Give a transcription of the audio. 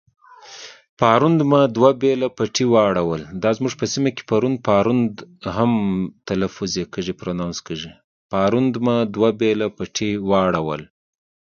پرون مې دوه بېله پټي واړول.